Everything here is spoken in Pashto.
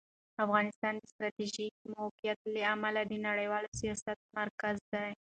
افغانستان د ستراتیژیک موقعیت له امله د نړیوال سیاست مرکز دی.